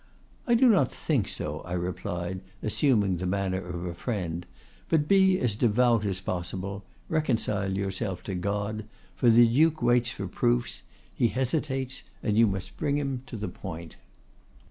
—'I do not think so,' I replied, assuming the manner of a friend; 'but be as devout as possible, reconcile yourself to God, for the Duke waits for proofs; he hesitates, you must bring him to the point.